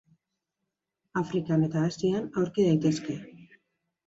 Afrikan eta Asian aurki daitezke.